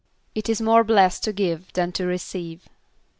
="It is more blessed to give than to receive."